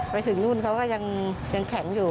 ไปถึงนู่นเขาก็ยังแข็งอยู่